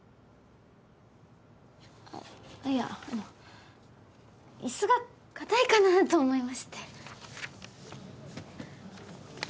あっいやあの椅子が硬いかなと思いまして。